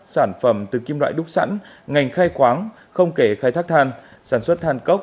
sản phẩm từ kim loại đúc sẵn ngành khai khoáng không kể khai thác than sản xuất than cốc